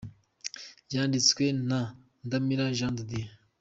Yanditswe na Ndamira Jean de Dieu